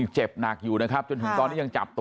เจ็บหนักอยู่นะครับ